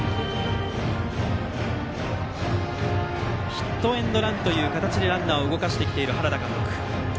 ヒットエンドランという形でランナーを動かしてきている原田監督。